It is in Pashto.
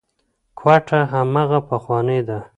کوټه هماغه پخوانۍ ده.